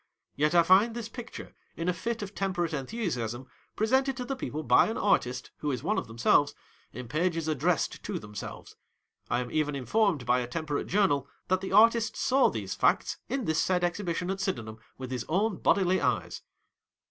Yet I find this picture, in a fit of temperate enthu siasm, presented to the people by an artist who is one of themselves, in pages addressed to themselves. I am even informed by a temperate journal, that the artist saw these facts, in this said Exhibition at Syden ham, with his own bodily eyes.